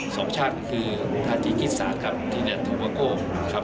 ส่วนชาติก็คือธาติกิจศาสตร์กลับที่ถูกมากก้ม